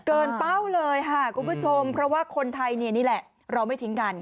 เป้าเลยค่ะคุณผู้ชมเพราะว่าคนไทยเนี่ยนี่แหละเราไม่ทิ้งกัน